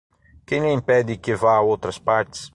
Quem lhe impede que vá a outras partes?